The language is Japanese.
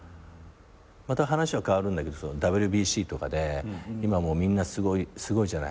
また話は変わるんだけどＷＢＣとかで今みんなすごいじゃない。